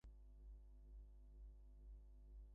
Dawn also noted as highlights.